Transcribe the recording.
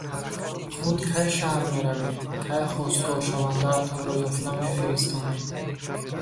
Худ кай шаҳр меравед, кай хостгоршавандаатонро ёфта мефиристонед?